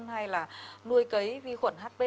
hay là nuôi cấy vi khuẩn hp